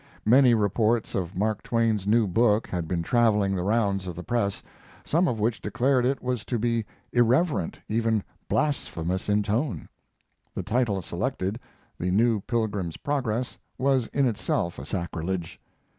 Many reports of Mark Twain's new book had been traveling the rounds of the press, some of which declared it was to be irreverent, even blasphemous, in tone. The title selected, The New Pilgrim's Progress, was in itself a sacrilege.